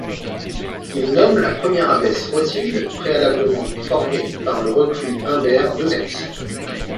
Il nomme la première abbesse Rothilde, préalablement formé par le reclus Humbert de Metz.